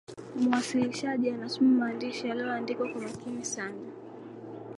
muwasilishaji anasoma maandishi yaliyoandikwa kwa makini sana